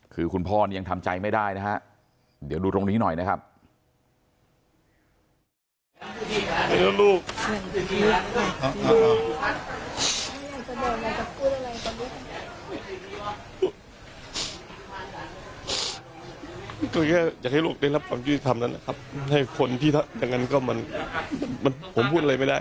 คือคุณพ่อนี่ยังทำใจไม่ได้นะฮะเดี๋ยวดูตรงนี้หน่อยนะครับ